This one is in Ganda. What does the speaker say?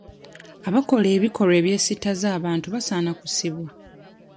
Abakola ebikolwa ebyesittaza abantu basaana kusibwa.